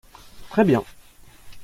Très bien.